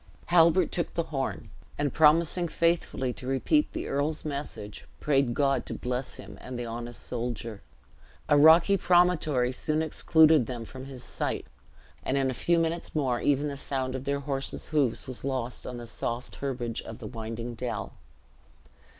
Halbert took the horn, and promising faithfully to repeat the earl's message, prayed God to bless him and the honest soldier. A rocky promontory soon excluded them from his sight, and in a few minutes more even the sound of their horses' hoofs was lost on the soft herbage of the winding dell.